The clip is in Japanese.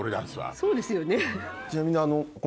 そうですよね。